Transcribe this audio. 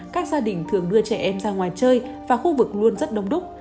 các gia đình thường đưa trẻ em ra ngoài chơi và khu vực luôn rất đông đúc